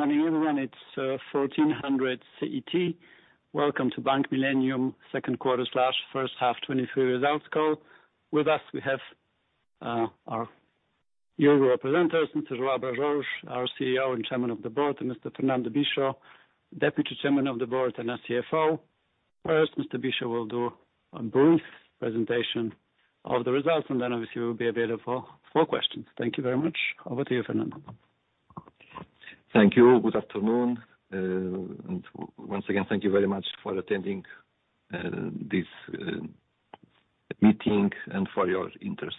Good morning, everyone. It's 2:00PM. CET. Welcome to Bank Millennium 2Q/1H 2023 Results Call. With us, we have our yearly presenters, João Brás Jorge, our CEO and Chairman of the Management Board, and Fernando Bicho, Deputy Chairman and CFO. First, Bicho will do a brief presentation of the results, and then obviously, we'll be available for questions. Thank you very much. Over to you, Fernando. Thank you. Good afternoon. Once again, thank you very much for attending this meeting and for your interest.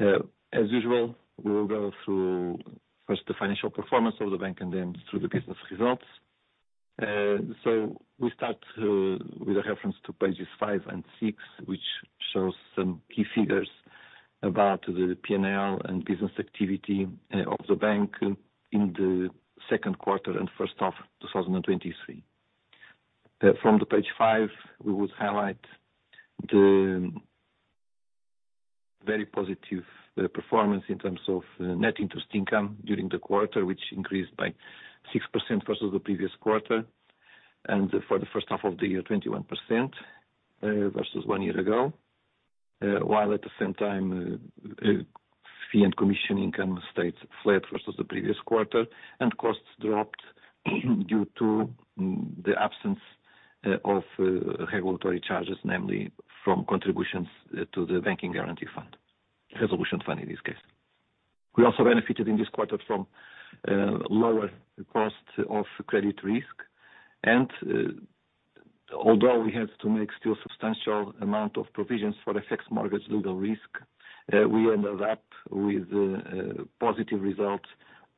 As usual, we will go through first the financial performance of the bank and then through the business results. We start with a reference to pages five and six, which shows some key figures about the PNL and business activity of the bank in the Q2 and first half, 2023. From the page five, we would highlight the very positive performance in terms of net interest income during the quarter, which increased by 6% versus the previous quarter, and for the first half of the year, 21% versus one year ago. While at the same time, fee and commission income stayed flat versus the previous quarter. Costs dropped due to the absence of regulatory charges, namely from contributions to the Bank Guarantee Fund, Resolution Fund, in this case. We also benefited in this quarter from lower cost of credit risk. Although we had to make still substantial amount of provisions for FX mortgage legal risk, we ended up with a positive result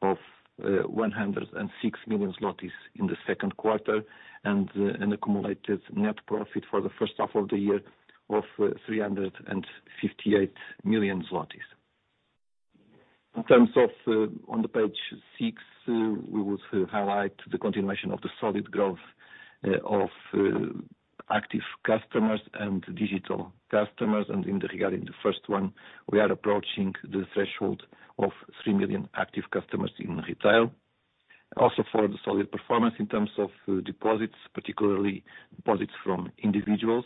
of 106 million zlotys in the Q2, and an accumulated net profit for the first half of the year of 358 million zlotys. In terms of on page 6, we would highlight the continuation of the solid growth of active customers and digital customers. Regarding the first one, we are approaching the threshold of 3 million active customers in retail. Also for the solid performance in terms of deposits, particularly deposits from individuals,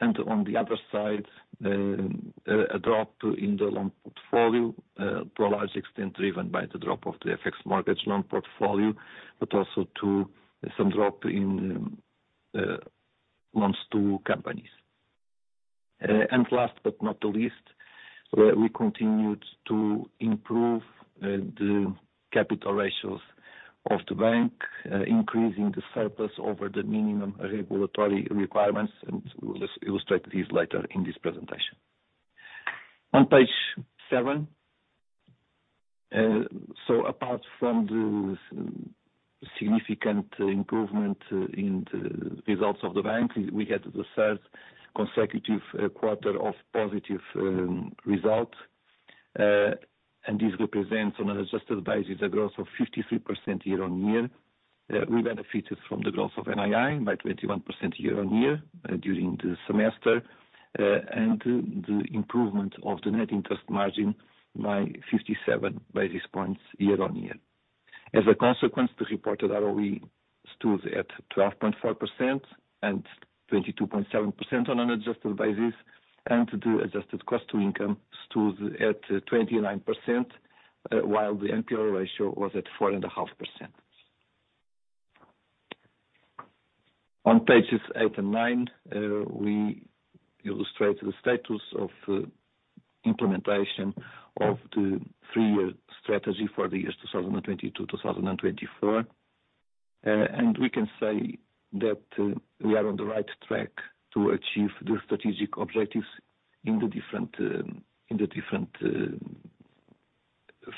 and on the other side, a drop in the loan portfolio, to a large extent, driven by the drop of the FX mortgage loan portfolio, but also to some drop in loans to companies. Last but not least, we continued to improve the capital ratios of the bank, increasing the surplus over the minimum regulatory requirements, and we'll illustrate this later in this presentation. On page 7, so apart from the significant improvement in the results of the bank, we had the third consecutive quarter of positive result. This represents, on an adjusted basis, a growth of 53% year-on-year. We benefited from the growth of NII by 21% year-on-year during the semester, and the improvement of the net interest margin by 57 basis points year-on-year. As a consequence, the reported ROE stood at 12.4% and 22.7% on an adjusted basis, and the adjusted cost-to-income stood at 29%, while the NPL ratio was at 4.5%. On pages 8 and 9, we illustrate the status of implementation of the three-year strategy for the years 2022–2024. We can say that we are on the right track to achieve the strategic objectives in the different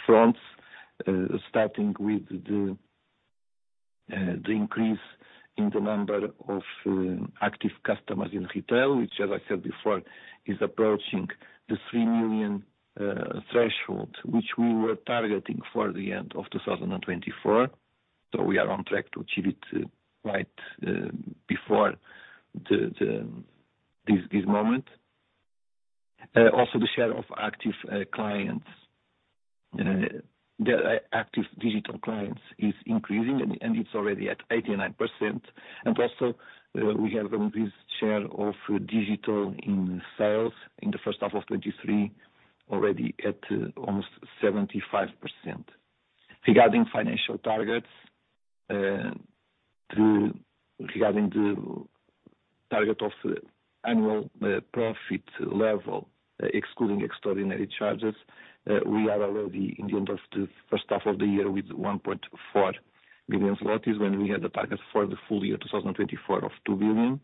fronts. Starting with the increase in the number of active customers in retail, which, as I said before, is approaching the 3 million threshold, which we were targeting for the end of 2024. We are on track to achieve it right before this moment. Also, the share of active clients, the active digital clients is increasing, and it's already at 89%. Also, we have increased share of digital in sales in the first half of 23, already at almost 75%. Regarding financial targets, the... Regarding the target of annual profit level, excluding extraordinary charges, we are already in the end of the first half of the year with 1.4 billion zloty, when we had the target for the full year, 2024 of 2 billion.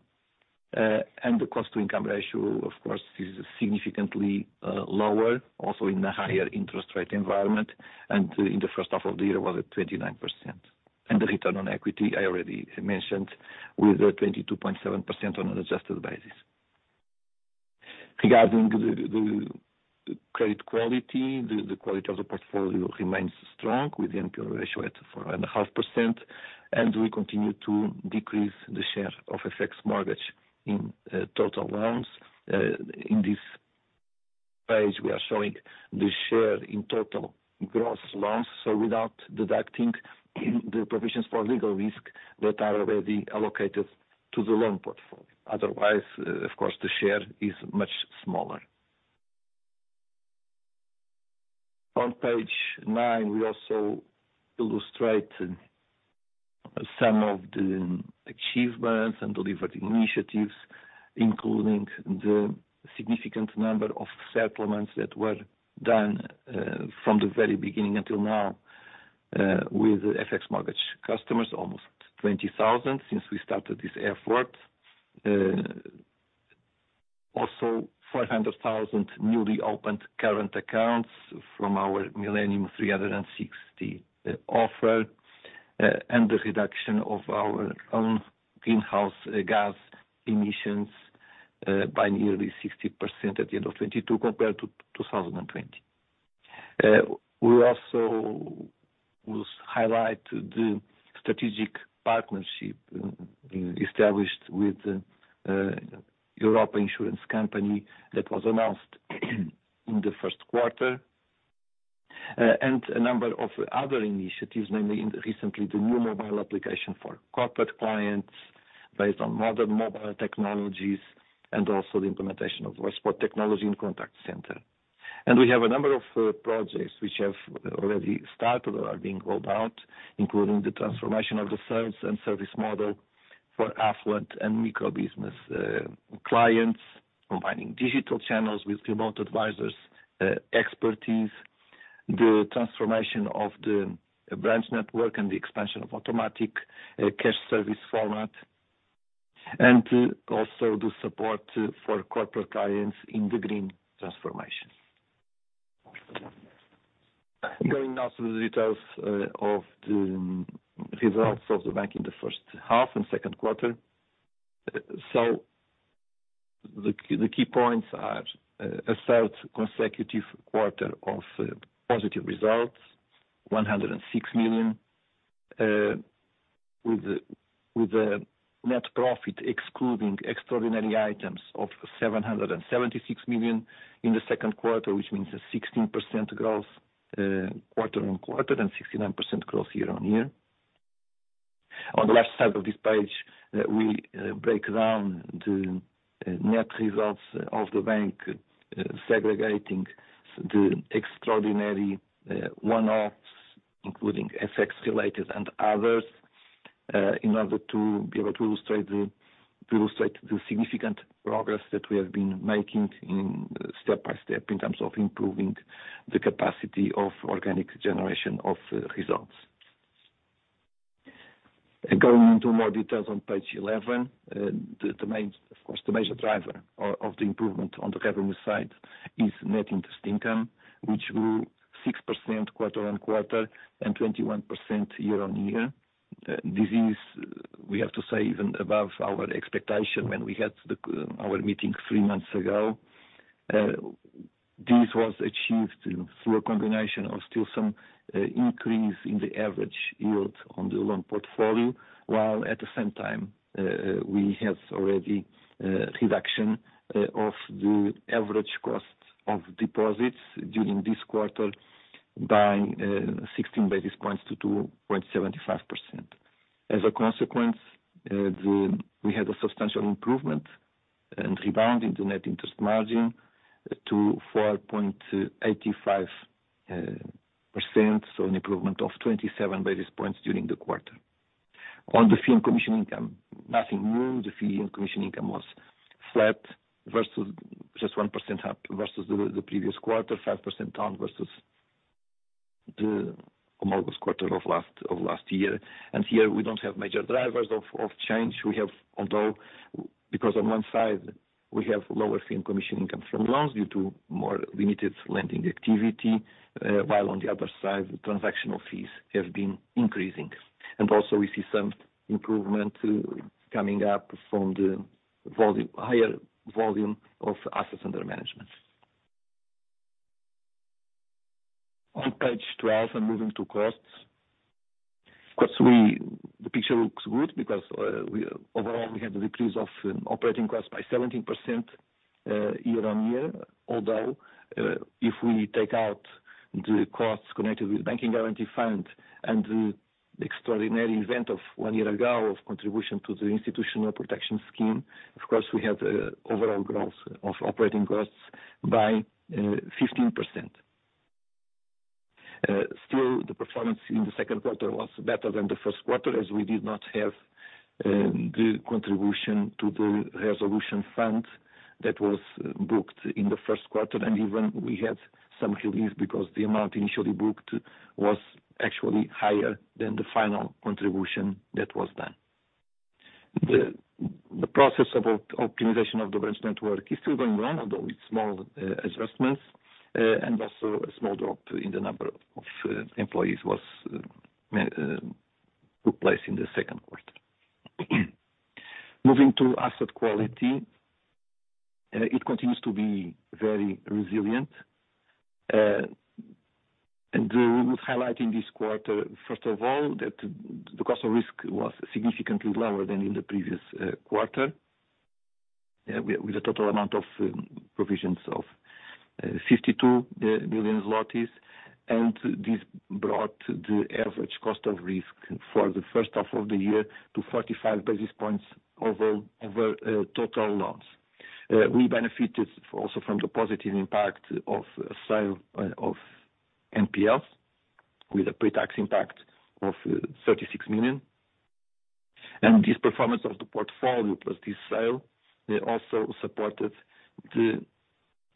The cost-to-income ratio, of course, is significantly lower, also in the higher interest rate environment, and in the first half of the year was at 29%. The return on equity, I already mentioned, with a 22.7% on an adjusted basis. Regarding the credit quality, the quality of the portfolio remains strong, with the NPL ratio at 4.5%, and we continue to decrease the share of FX mortgage in total loans in this half. On this page, we are showing the share in total gross loans, so without deducting the provisions for legal risk that are already allocated to the loan portfolio. Otherwise, of course, the share is much smaller. On page 9, we also illustrate some of the achievements and delivered initiatives, including the significant number of settlements that were done from the very beginning until now with FX mortgage customers. Almost 20,000 since we started this effort. Also, 400,000 newly opened current accounts from our Millennium 360° offer and the reduction of our own greenhouse gas emissions by nearly 60% at the end of 2022 compared to 2020. We also will highlight the strategic partnership established with the Europa Insurance Company that was announced in the first quarter. A number of other initiatives, namely recently, the new mobile application for corporate clients based on modern mobile technologies, and also the implementation of WhatsApp technology in contact center. We have a number of projects which have already started or are being rolled out, including the transformation of the service and service model for affluent and micro business clients, combining digital channels with remote advisors expertise, the transformation of the branch network, and the expansion of automatic cash service format, and also the support for corporate clients in the green transformation. Going now to the details of the results of the bank in the first half and Q2. The key points are a third consecutive quarter of positive results, 106 million, with a net profit, excluding extraordinary items of 776 million in the Q2, which means a 16% growth quarter-on-quarter, and 69% growth year-on-year. On the left side of this page, we break down the net results of the bank, segregating the extraordinary one-offs, including FX-related and others, in order to be able to illustrate the significant progress that we have been making step by step in terms of improving the capacity of organic generation of results. Going into more details on page 11, the main, of course, the major driver of the improvement on the revenue side is net interest income, which grew 6% quarter-on-quarter and 21% year-on-year. This is, we have to say, even above our expectation when we had the our meeting 3 months ago. This was achieved through a combination of still some increase in the average yield on the loan portfolio, while at the same time, we had already reduction of the average cost of deposits during this quarter by 16 basis points to 2.75%. As a consequence, we had a substantial improvement and rebound in the net interest margin to 4.85%, so an improvement of 27 basis points during the quarter. On the fee and commission income, nothing new. The fee and commission income was flat versus just 1% up, versus the previous quarter, 5% down versus the analogous quarter of last year. Here we don't have major drivers of change. We have, although, because on one side we have lower fee and commission income from loans due to more limited lending activity, while on the other side, transactional fees have been increasing. Also, we see some improvement coming up from the volume, higher volume of assets under management. On page 12, moving to costs. Of course, the picture looks good because we overall had a decrease of operating costs by 17% year-on-year. Although, if we take out the costs connected with Bank Guarantee Fund and the extraordinary event of 1 year ago of contribution to the Institutional Protection Scheme, of course, we had overall growth of operating costs by 15%. Still, the performance in the Q2 was better than the first quarter, as we did not have the contribution to the Resolution Fund that was booked in the first quarter. Even we had some relief because the amount initially booked was actually higher than the final contribution that was done. The process of optimization of the branch network is still going on, although with small adjustments, and also a small drop in the number of employees took place in the Q2. Moving to asset quality, it continues to be very resilient. We would highlight in this quarter, first of all, that the cost of risk was significantly lower than in the previous quarter, with a total amount of provisions of 52 million zlotys. This brought the average cost of risk for the first half of the year to 45 basis points over total loans. We benefited also from the positive impact of sale of NPL, with a pre-tax impact of 36 million. This performance of the portfolio, plus this sale, it also supported the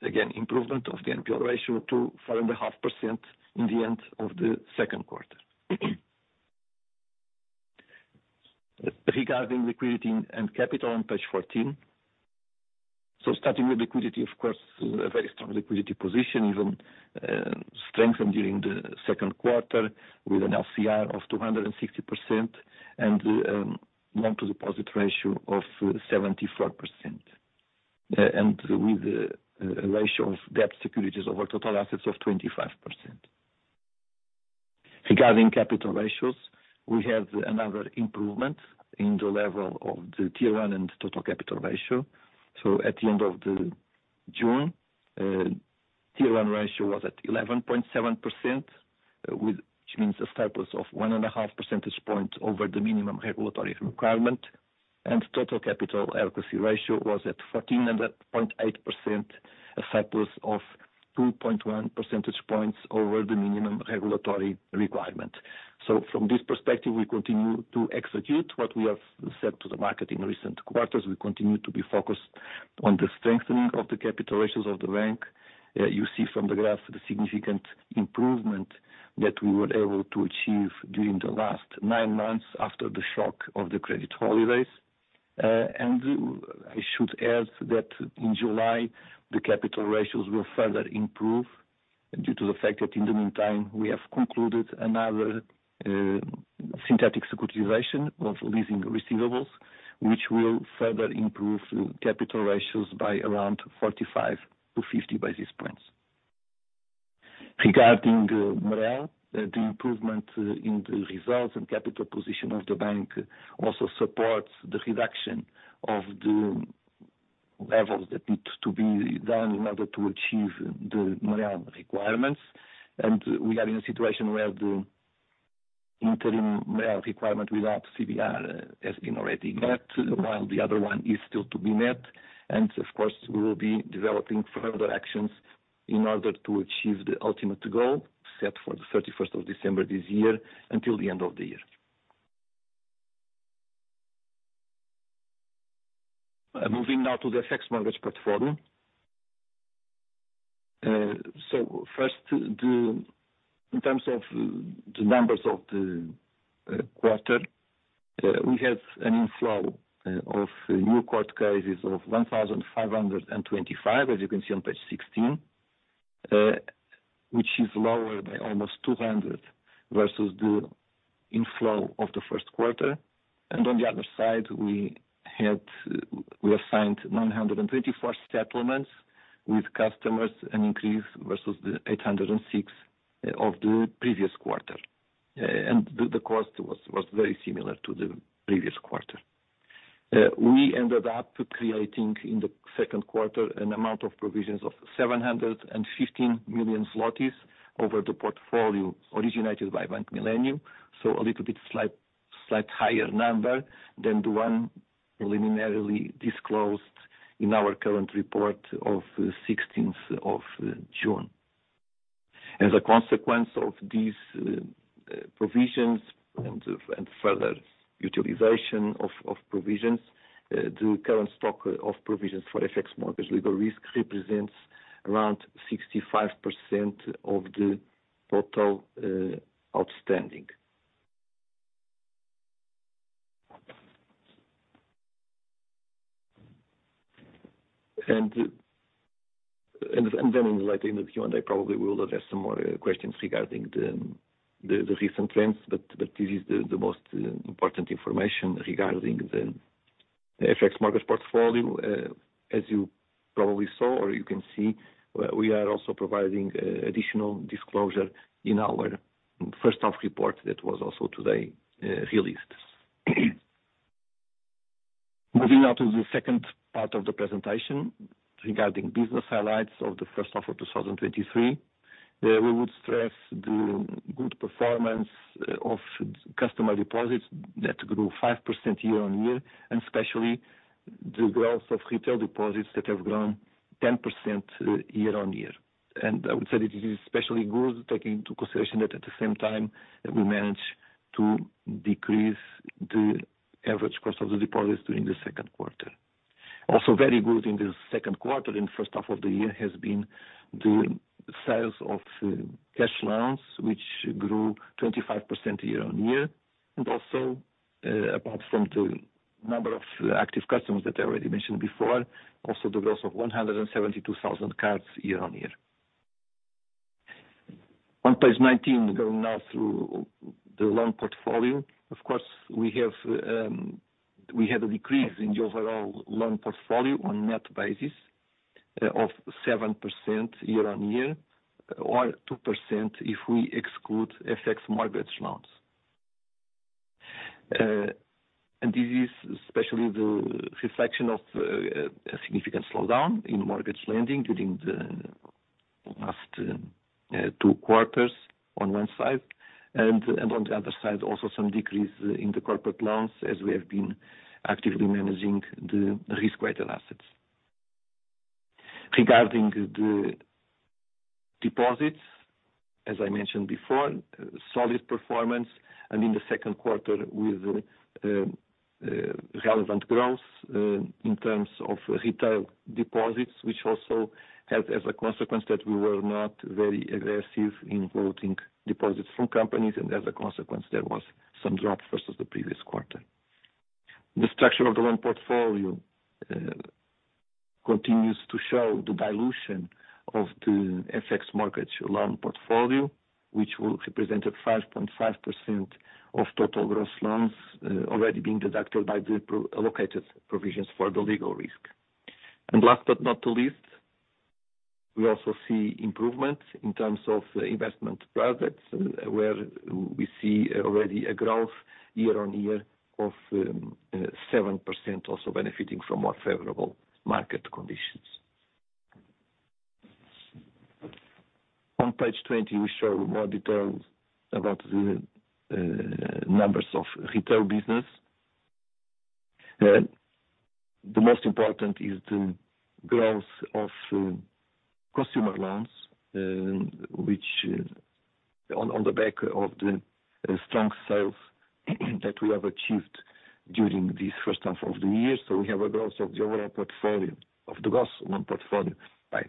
again improvement of the NPL ratio to 4.5% in the end of the Q2. Regarding liquidity and capital on page 14. Starting with liquidity, of course, a very strong liquidity position, even strengthened during the Q2, with an LCR of 260% and a loan-to-deposit ratio of 74%, and with a ratio of debt securities over total assets of 25%. Regarding capital ratios, we have another improvement in the level of the Tier 1 and total capital ratio. At the end of June, Tier 1 ratio was at 11.7%, which means a surplus of 1.5 percentage points over the minimum regulatory requirement. And total capital adequacy ratio was at 14.8%, a surplus of 2.1 percentage points over the minimum regulatory requirement. From this perspective, we continue to execute what we have said to the market in recent quarters. We continue to be focused on the strengthening of the capital ratios of the bank. You see from the graph, the significant improvement that we were able to achieve during the last nine months after the shock of the credit holidays. I should add that in July, the capital ratios will further improve due to the fact that in the meantime, we have concluded another synthetic securitization of leasing receivables, which will further improve capital ratios by around 45 to 50 basis points. Regarding MREL, the improvement in the results and capital position of the bank also supports the reduction of the levels that need to be done in order to achieve the MREL requirements. We are in a situation where the interim MREL requirement without CBR has been already met, while the other one is still to be met. Of course, we will be developing further actions in order to achieve the ultimate goal, set for the 31st of December this year until the end of the year. Moving now to the FX mortgage platform. First, in terms of the numbers of the quarter, we had an inflow of new court cases of 1,525, as you can see on page 16, which is lower by almost 200 versus the inflow of the first quarter. On the other side, we assigned 924 settlements with customers, an increase versus the 806 of the previous quarter. The cost was very similar to the previous quarter. We created, in the Q2, an amount of provisions of 715 million zlotys over the portfolio originated by Bank Millennium. A slight higher number than the one preliminarily disclosed in our current report of 16th of June. A consequence of these provisions and further utilization of provisions, the current stock of provisions for FX mortgage legal risk represents around 65% of the total outstanding. Then in the later in the Q&A, probably we will address some more questions regarding the recent trends, but this is the most important information regarding the FX mortgage portfolio. As you probably saw or you can see, we are also providing additional disclosure in our first half report. That was also today released. Moving on to the second part of the presentation, regarding business highlights of the first half of 2023. We would stress the good performance of customer deposits that grew 5% year-on-year, and especially the growth of retail deposits that have grown 10% year-on-year. I would say this is especially good, taking into consideration that at the same time, we managed to decrease the average cost of the deposits during the Q2. Also, very good in the Q2 and first half of the year has been the sales of cash loans, which grew 25% year-on-year, and also, apart from the number of active customers that I already mentioned before, also the growth of 172,000 cards year-on-year. On page 19 through the loan portfolio. Of course, we have a decrease in the overall loan portfolio on net basis of 7% year-on-year, or 2% if we exclude FX mortgage loans. This is especially the reflection of a significant slowdown in mortgage lending during the last two quarters on one side, and on the other side, also some decrease in the corporate loans as we have been actively managing the risk-weighted assets. Regarding the deposits, as I mentioned before, solid performance, and in the Q2 with relevant growth in terms of retail deposits, which also had as a consequence, that we were not very aggressive in holding deposits from companies, and as a consequence, there was some drop versus the previous quarter. The structure of the loan portfolio continues to show the dilution of the FX mortgage loan portfolio, which represented 5.5% of total gross loans, already being deducted by the allocated provisions for the legal risk. Last but not least, we also see improvement in terms of investment projects, where we see already a growth year-on-year of 7%, also benefiting from more favorable market conditions. On page 20, we show more details about the numbers of retail business. The most important is the growth of consumer loans, which on the back of the strong sales that we have achieved during this first half of the year. We have a growth of the overall portfolio, of the gross loan portfolio by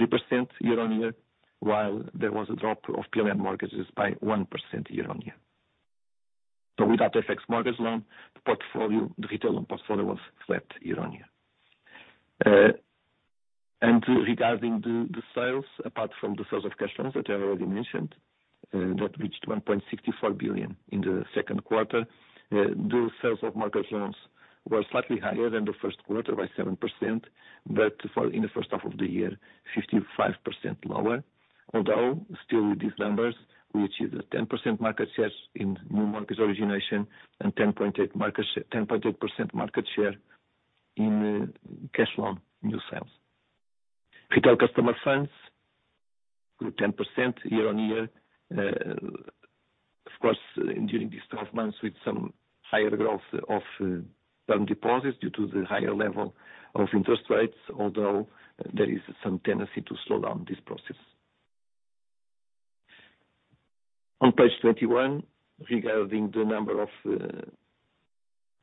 3% year-on-year, while there was a drop of PLN mortgages by 1% year-on-year. Without the FX mortgage loan, the portfolio, the retail loan portfolio was flat year-on-year. Regarding the sales, apart from the sales of cash loans that I already mentioned, that reached 1.64 billion in the Q2. The sales of mortgage loans were slightly higher than the first quarter by 7%, but for in the first half of the year, 55% lower. Still with these numbers, which is a 10% market shares in new markets origination and 10.8% market share in cash loan new sales. Retail customer funds grew 10% year-on-year. Of course, during these 12 months, with some higher growth of term deposits due to the higher level of interest rates, although there is some tendency to slow down this process. On page 21, regarding the number of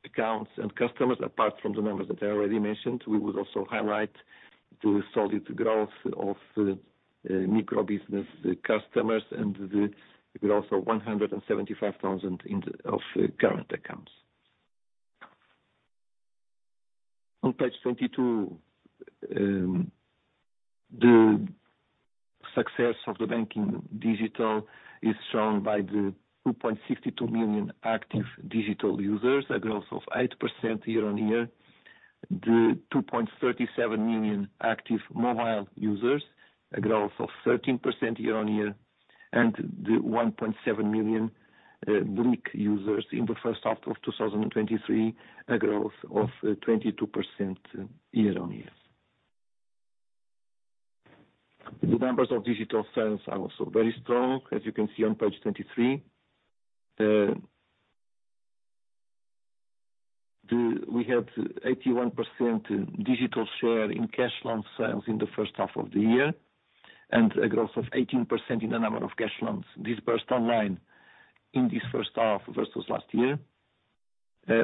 accounts and customers, apart from the numbers that I already mentioned, we would also highlight the solid growth of micro business customers and the growth of 175,000 in, of current accounts. On page 22, the success of the banking digital is shown by the 2.62 million active digital users, a growth of 8% year-on-year. The 2.37 million active mobile users, a growth of 13% year-on-year, and the 1.7 million BLIK users in the first half of 2023, a growth of 22% year-on-year. The numbers of digital sales are also very strong, as you can see on page 23. We have 81% digital share in cash loan sales in the first half of the year, and a growth of 18% in the number of cash loans disbursed online in this first half versus last year.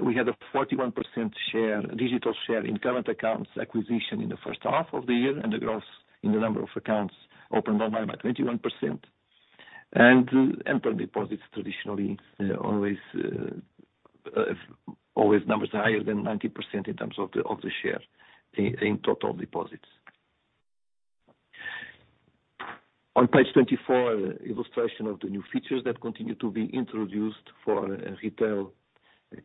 We had a 41% share, digital share in current accounts acquisition in the first half of the year, and the growth in the number of accounts opened online by 21%. Term deposits, traditionally, always numbers are higher than 90% in terms of the share in total deposits. On page 24, illustration of the new features that continue to be introduced for our retail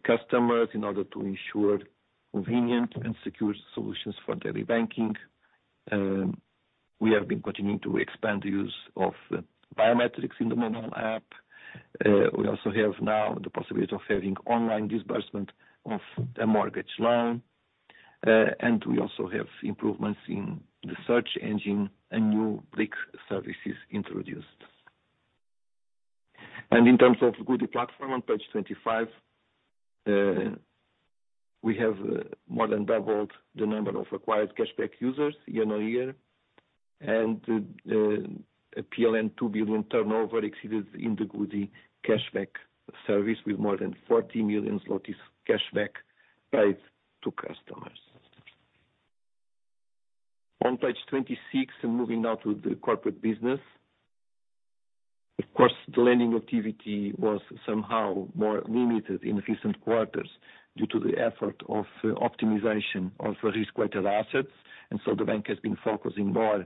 customers in order to ensure convenient and secure solutions for daily banking. We have been continuing to expand the use of biometrics in the mobile app. We also have now the possibility of having online disbursement of a mortgage loan. We also have improvements in the search engine and new BLIK services introduced. In terms of goodie platform, on page 25, we have more than doubled the number of acquired cashback users year on year, a PLN 2 billion turnover exceeded in the goodie cashback service, with more than 40 million zlotys cashback paid to customers. On page 26, moving now to the corporate business. Of course, the lending activity was somehow more limited in recent quarters, due to the effort of optimization of risk-weighted assets, the bank has been focusing more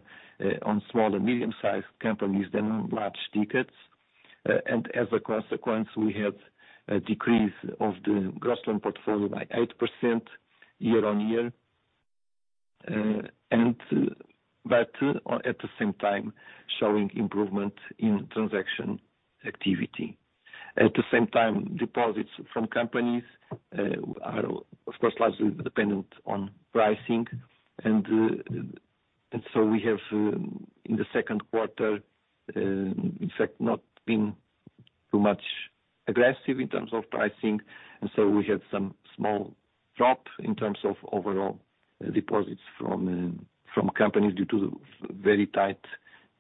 on small and medium-sized companies than on large tickets. As a consequence, we have a decrease of the gross loan portfolio by 8% year-on-year, but at the same time showing improvement in transaction activity. At the same time, deposits from companies are of course, largely dependent on pricing. So we have in the Q2, in fact, not been too much aggressive in terms of pricing, and so we had some small drop in terms of overall deposits from companies due to the very tight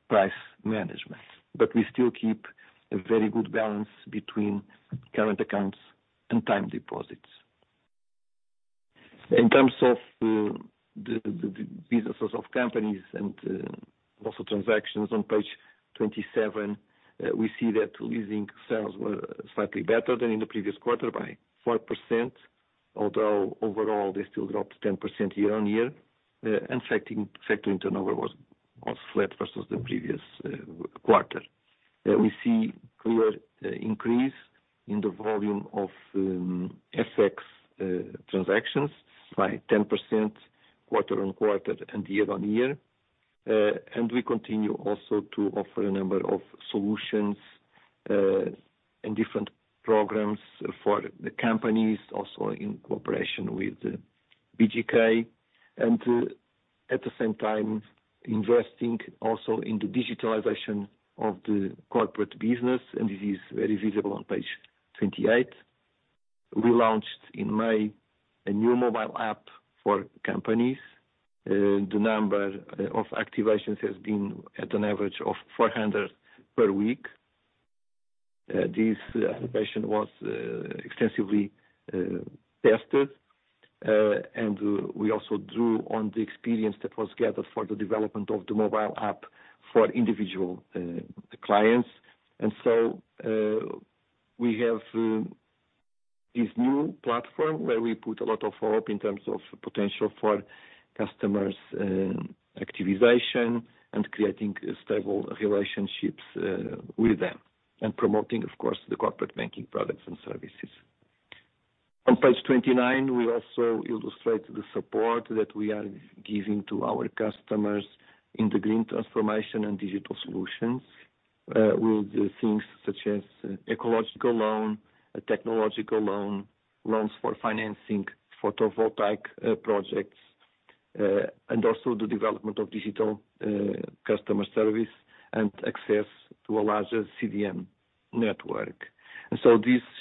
price management. We still keep a very good balance between current accounts and time deposits. In terms of the businesses of companies and also transactions on page 27, we see that leasing sales were slightly better than in the previous quarter by 4%. Overall, they still dropped 10% year-on-year. Affecting sector turnover was flat versus the previous quarter. We see clear increase in the volume of FX transactions by 10% quarter-on-quarter and year-on-year. We continue also to offer a number of solutions in different programs for the companies, also in cooperation with BGK, and to, at the same time, investing also in the digitalization of the corporate business. This is very visible on page 28. We launched in May, a new mobile app for companies, the number of activations has been at an average of 400 per week. This application was extensively tested, and we also drew on the experience that was gathered for the development of the mobile app for individual clients. We have this new platform where we put a lot of hope in terms of potential for customers, activization and creating stable relationships with them, and promoting, of course, the corporate banking products and services. On page 29, we also illustrate the support that we are giving to our customers in the green transformation and digital solutions, with things such as ecological loan, technological loan, loans for financing, photovoltaic projects, and also the development of digital customer service and access to a larger CDM network. This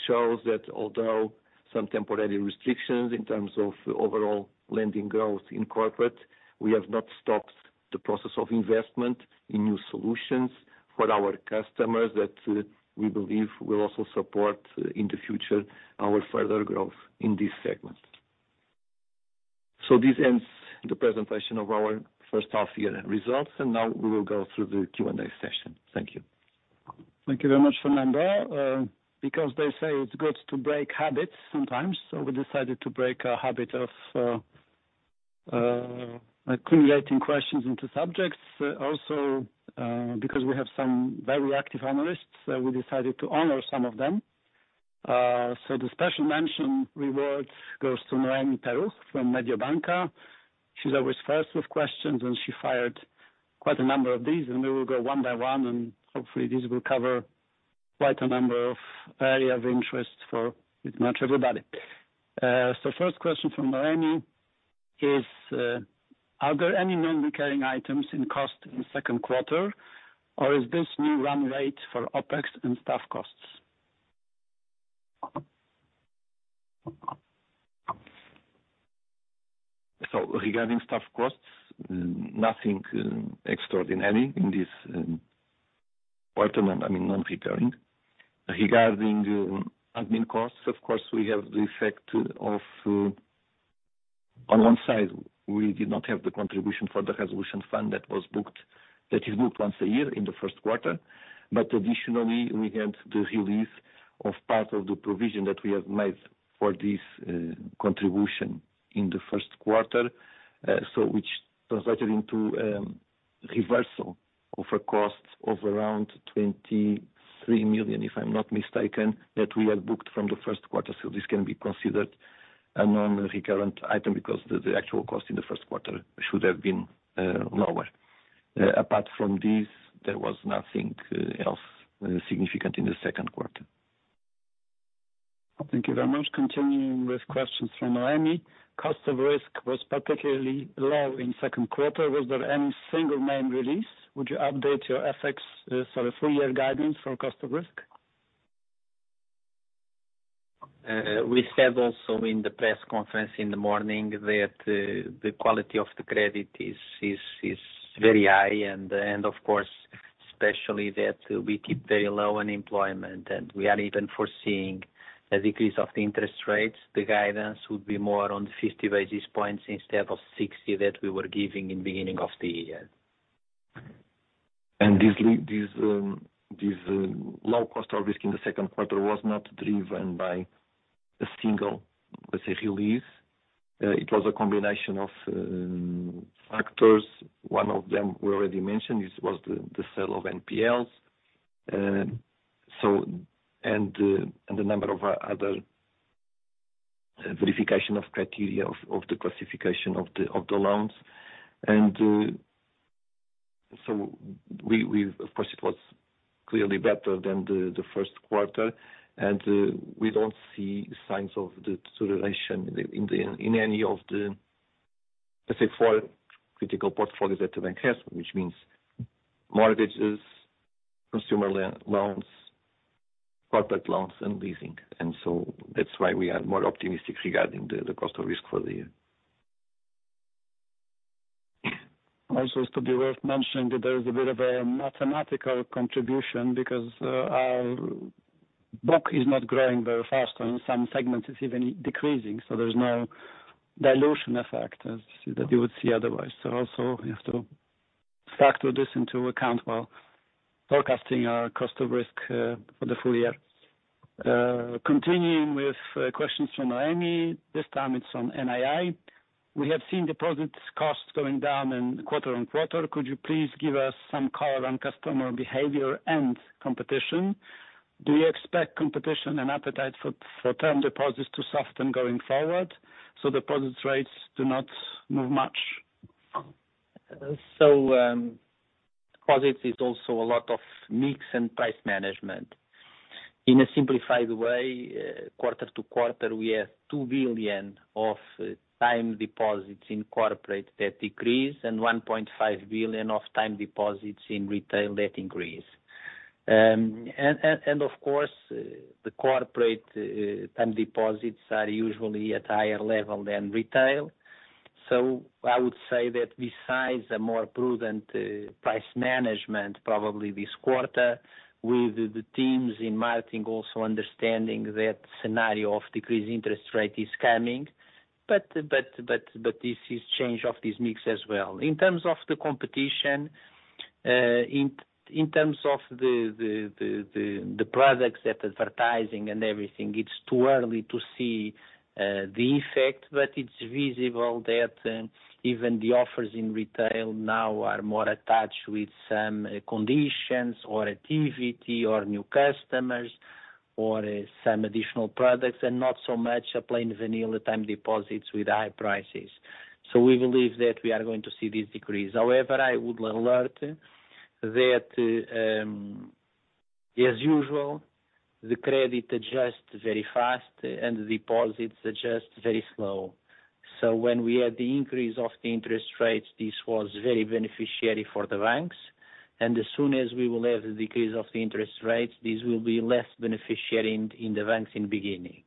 shows that although some temporary restrictions in terms of overall lending growth in corporate, we have not stopped the process of investment in new solutions for our customers, that we believe will also support in the future, our further growth in this segment. This ends the presentation of our first half year results, and now we will go through the Q&A session. Thank you. Thank you very much, Fernando. Because they say it's good to break habits sometimes, we decided to break our habit of accumulating questions into subjects. Because we have some very active analysts, we decided to honor some of them. The special mention reward goes to Noemi Peruch from Mediobanca. She's always first with questions. She fired quite a number of these. We will go one by one, and hopefully, this will cover quite a number of areas of interest for pretty much everybody. First question from Noemi is, "Are there any non-recurring items in cost in the Q2, or is this new run rate for OpEx and staff costs? Regarding staff costs, nothing extraordinary in this quarter, I mean, non-recurring. Regarding admin costs, of course, we have the effect of, on one side, we did not have the contribution for the Resolution Fund that is booked once a year in the first quarter. Additionally, we had the release of part of the provision that we have made for this contribution in the first quarter, so which translated into reversal of a cost of around 23 million, if I'm not mistaken, that we had booked from the first quarter. This can be considered a non-recurrent item, because the actual cost in the first quarter should have been lower. Apart from this, there was nothing else significant in the Q2. Thank you very much. Continuing with questions from Noemi. "Cost of risk was particularly low in Q2. Was there any single main release? Would you update your FX, sorry, full year guidance for cost of risk? We said also in the press conference in the morning, that the quality of the credit is very high, and of course, especially that we keep very low unemployment, and we are even foreseeing a decrease of the interest rates. The guidance would be more on 50 basis points instead of 60, that we were giving in beginning of the year. This low cost of risk in the Q2 was not driven by a single, let's say, release. It was a combination of factors. One of them we already mentioned, was the sale of NPLs. The number of other verification of criteria of the classification of the loans. Of course, it was clearly better than the first quarter, and we don't see signs of deterioration in any of the, let's say, four critical portfolios that the bank has. Which means mortgages, consumer loans, corporate loans, and leasing. That's why we are more optimistic regarding the cost of risk for the year. To be worth mentioning that there is a bit of a mathematical contribution, because our book is not growing very fast, and in some segments it's even decreasing. There's no dilution effect that you would see otherwise. Also, you have to factor this into account while forecasting our cost of risk for the full year. Continuing with questions from Noemi, this time it's on NII. We have seen deposits costs going down in quarter-on-quarter. Could you please give us some color on customer behavior and competition? Do you expect competition and appetite for term deposits to soften going forward, so deposits rates do not move much? Deposits is also a lot of mix and price management. In a simplified way, quarter-to-quarter, we have 2 billion of time deposits in corporate that decrease and 1.5 billion of time deposits in retail that increase. Of course, the corporate time deposits are usually at higher level than retail. I would say that besides a more prudent price management, probably this quarter, with the teams in marketing also understanding that scenario of decreased interest rate is coming, but this is change of this mix as well. In terms of the competition, in terms of the products, that advertising and everything, it's too early to see the effect. It's visible that even the offers in retail now are more attached with some conditions, or activity, or new customers, or some additional products, and not so much a plain vanilla time deposits with high prices. We believe that we are going to see this decrease. However, I would alert that as usual, the credit adjusts very fast and the deposits adjusts very slow. When we had the increase of the interest rates, this was very beneficiary for the banks, and as soon as we will have the decrease of the interest rates, this will be less beneficiary in the banks in the beginning.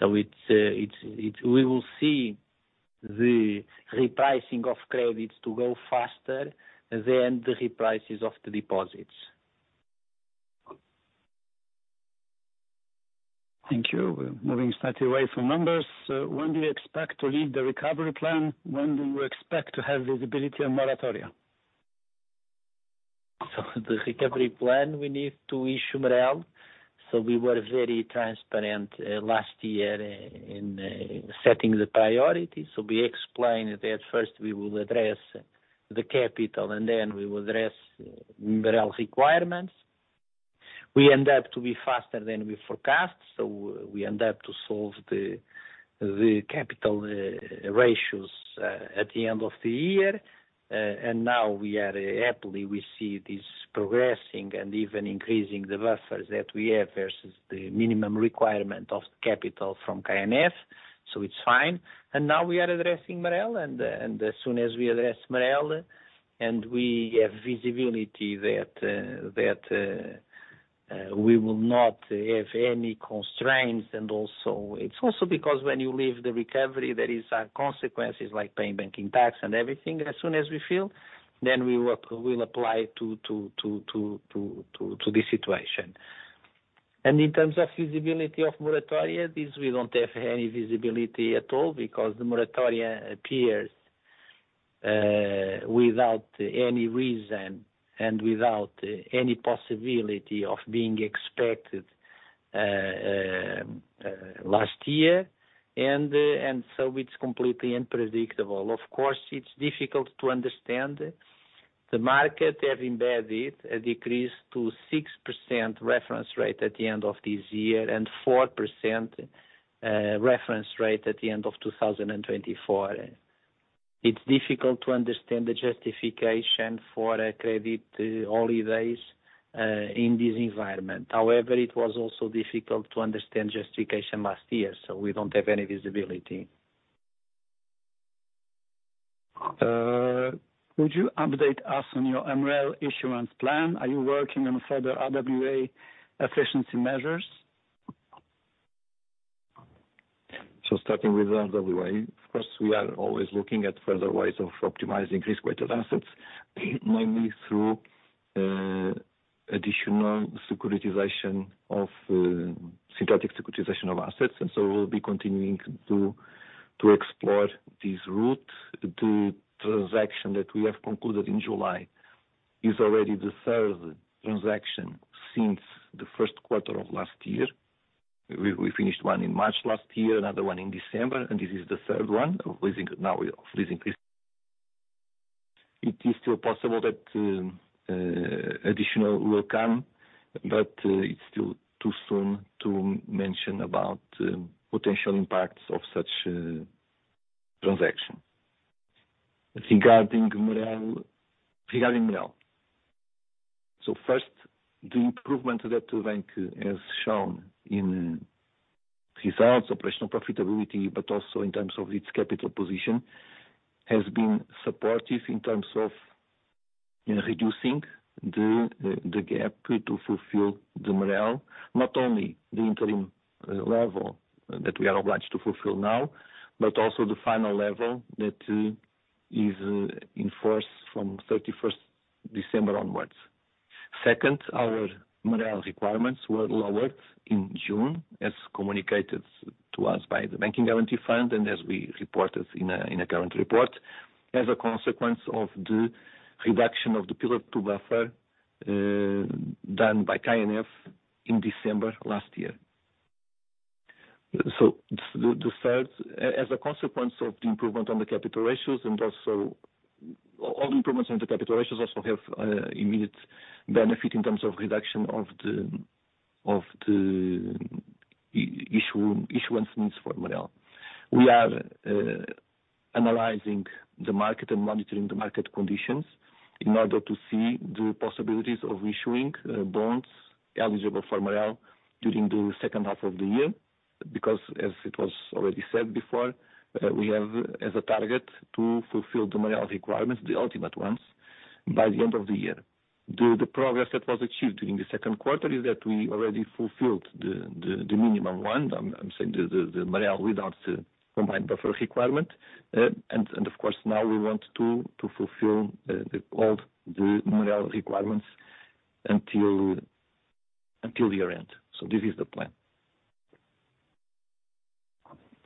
It's we will see the repricing of credits to go faster than the reprices of the deposits. Thank you. We're moving slightly away from numbers. When do you expect to leave the Recovery Plan? When do you expect to have visibility on moratoria? The Recovery Plan we need to issue MREL. We were very transparent last year in setting the priorities. We explained that first we will address the capital, then we will address MREL requirements. We end up to be faster than we forecast, we end up to solve the capital ratios at the end of the year. Now we are happily, we see this progressing and even increasing the buffers that we have versus the minimum requirement of capital from KNF, it's fine. Now we are addressing MREL, and as soon as we address MREL, and we have visibility that we will not have any constraints. Also, it is also because when you leave the recovery, there is consequences like paying banking tax and everything. As soon as we feel, then we will apply to the situation. In terms of visibility of moratoria, this we don't have any visibility at all, because the moratoria appears without any reason and without any possibility of being expected last year. It's completely unpredictable. Of course, it's difficult to understand the market have embedded a decrease to 6% reference rate at the end of this year, and 4% reference rate at the end of 2024. It's difficult to understand the justification for a credit holidays in this environment. However, it was also difficult to understand justification last year, we don't have any visibility. Would you update us on your MREL insurance plan? Are you working on further RWA efficiency measures? Starting with RWA, of course, we are always looking at further ways of optimizing risk-weighted assets, mainly through. additional securitization of synthetic securitization of assets, we'll be continuing to explore this route. The transaction that we have concluded in July is already the 3rd transaction since the 1st quarter of last year. We finished one in March last year, another one in December, and this is the 3rd one, leasing, now, leasing lease. It is still possible that additional will come, it's still too soon to mention about potential impacts of such transaction. Regarding MREL, first, the improvement that the bank has shown in results, operational profitability, but also in terms of its capital position, has been supportive in terms of in reducing the gap to fulfill the MREL. Not only the interim level that we are obliged to fulfill now, but also the final level that is in force from 31st December onwards. Our MREL requirements were lowered in June, as communicated to us by the Bank Guarantee Fund, and as we reported in a current report, as a consequence of the reduction of the Pillar 2 buffer done by KNF in December last year. The third, as a consequence of the improvement on the capital ratios and also all the improvements in the capital ratios, also have immediate benefit in terms of reduction of the issuance needs for MREL. We are analyzing the market and monitoring the market conditions in order to see the possibilities of issuing bonds eligible for MREL during the second half of the year. As it was already said before, we have as a target to fulfill the MREL requirements, the ultimate ones, by the end of the year. The progress that was achieved during the Q2 is that we already fulfilled the minimum one. I'm saying the MREL without the combined buffer requirement. And of course, now we want to fulfill all the MREL requirements until the year end. This is the plan.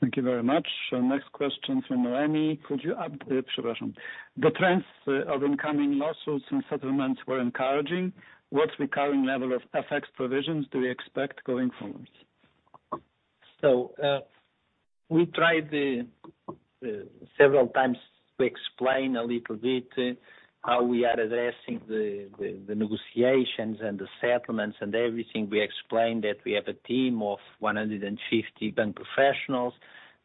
Thank you very much. Next question from Noemi, could you add, We tried several times to explain a little bit how we are addressing the negotiations and the settlements and everything. We explained that we have a team of 150 bank professionals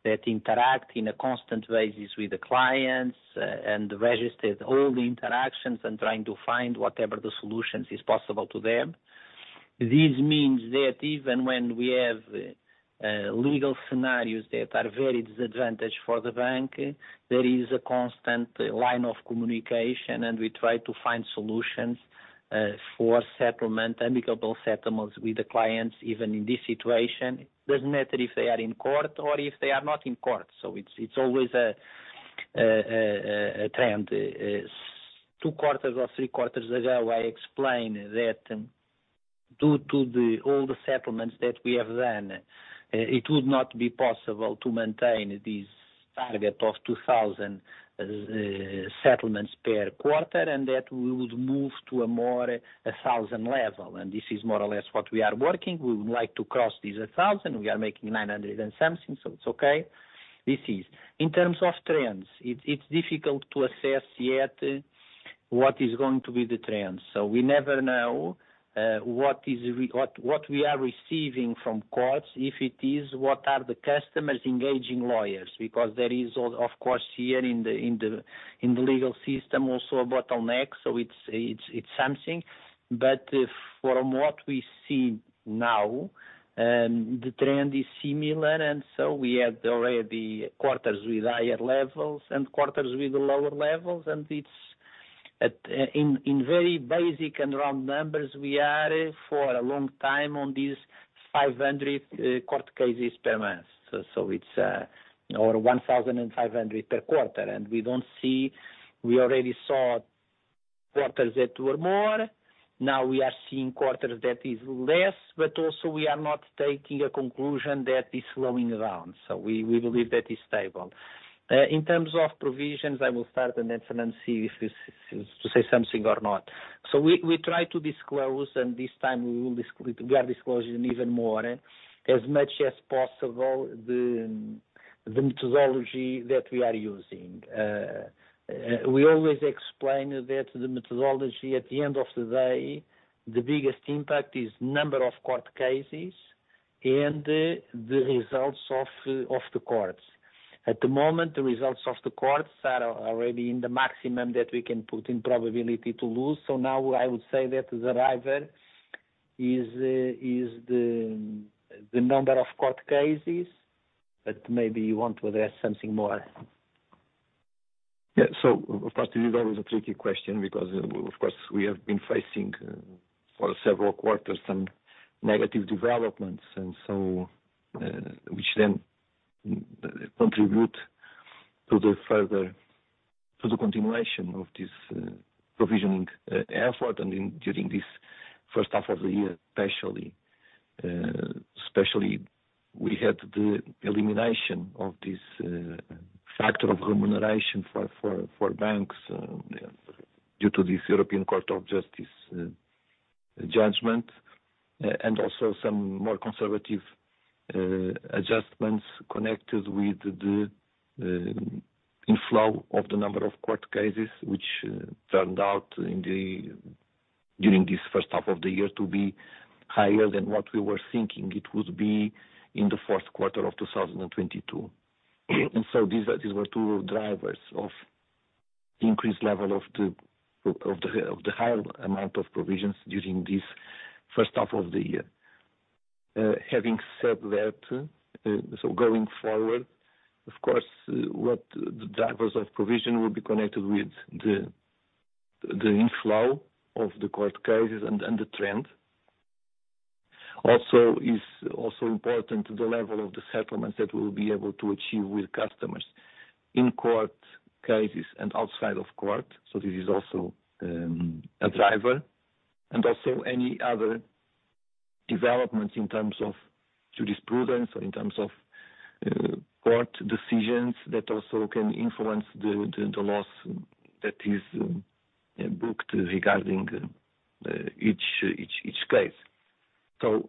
that interact in a constant basis with the clients and registered all the interactions and trying to find whatever the solutions is possible to them. This means that even when we have legal scenarios that are very disadvantaged for the bank, there is a constant line of communication, and we try to find solutions for settlement, amicable settlements with the clients, even in this situation. It doesn't matter if they are in court or if they are not in court. It's always a trend. Two quarters or three quarters ago, I explained that due to the all the settlements that we have done, it would not be possible to maintain this target of 2,000 settlements per quarter, and that we would move to a more 1,000 level, and this is more or less what we are working. We would like to cross these 1,000. We are making 900 and something, so it's okay. This is in terms of trends, it's difficult to assess yet what is going to be the trend. We never know what we are receiving from courts, if it is, what are the customers engaging lawyers? Because there is, of course, here in the legal system, also a bottleneck. It's something. From what we see now, the trend is similar. We had already quarters with higher levels and quarters with lower levels. It's at, in very basic and round numbers, we are for a long time on these 500 court cases per month. It's, or 1,500 per quarter. We don't see, we already saw quarters that were more. Now we are seeing quarters that is less, but also we are not taking a conclusion that is slowing down. We believe that is stable. In terms of provisions, I will start and then see if this, to say something or not. We try to disclose, and this time we are disclosing even more, as much as possible, the methodology that we are using. We always explain that the methodology, at the end of the day, the biggest impact is number of court cases and the results of the courts. At the moment, the results of the courts are already in the maximum that we can put in probability to lose. Now I would say that the driver is the number of court cases, but maybe you want to add something more. Yeah. First, it is always a tricky question because, of course, we have been facing, for several quarters some negative developments, which then contribute to the further, to the continuation of this provisioning effort, and in, during this first half of the year, especially, we had the elimination of this factor of remuneration for banks, due to this European Court of Justice judgment, and also some more conservative adjustments connected with the inflow of the number of court cases, which turned out in the, during this first half of the year to be higher than what we were thinking it would be in the fourth quarter of 2022. These were two drivers of the increased level of the higher amount of provisions during this first half of the year. Having said that, going forward, of course, what the drivers of provision will be connected with the inflow of the court cases and the trend. Also, is also important to the level of the settlements that we'll be able to achieve with customers in court cases and outside of court. This is also a driver, and also any other developments in terms of jurisprudence or in terms of court decisions that also can influence the loss that is booked regarding each case. Of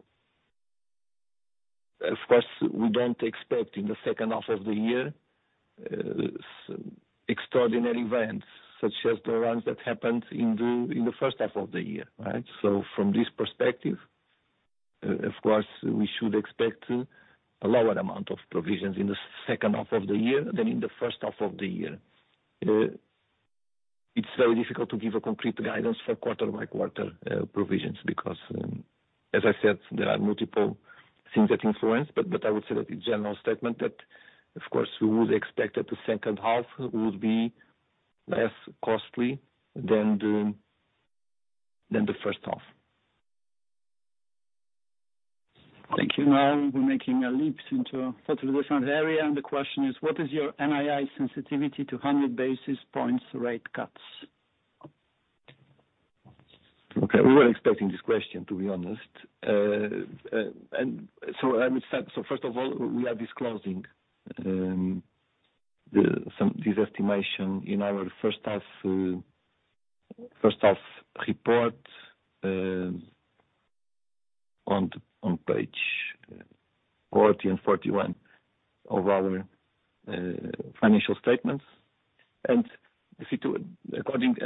course, we don't expect in the second half of the year extraordinary events such as the ones that happened in the first half of the year, right? From this perspective, of course, we should expect a lower amount of provisions in the second half of the year than in the first half of the year. It's very difficult to give a concrete guidance for quarter by quarter provisions, because as I said, there are multiple things that influence. I would say that the general statement that of course, we would expect that the second half would be less costly than the first half. Thank you. Now we're making a leap into a totally different area, the question is: What is your NII sensitivity to 100 basis points rate cuts? Okay, we were expecting this question, to be honest. First of all, we are disclosing this estimation in our first half report on page 40 and 41 of our financial statements.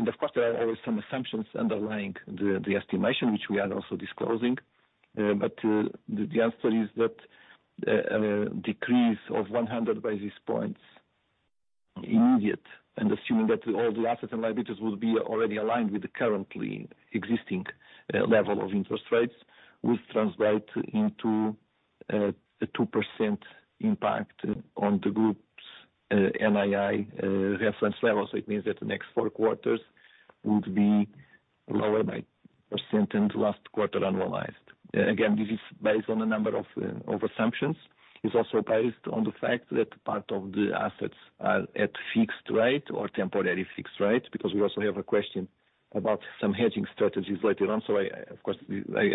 Of course, there are always some assumptions underlying the estimation, which we are also disclosing. The answer is that a decrease of 100 basis points immediate, and assuming that all the assets and liabilities will be already aligned with the currently existing level of interest rates, would translate into a 2% impact on the group's NII reference level. It means that the next four quarters would be lower by percent in the last quarter, annualized. Again, this is based on a number of assumptions. It's also based on the fact that part of the assets are at fixed rate or temporarily fixed rate, because we also have a question about some hedging strategies later on. I, of course,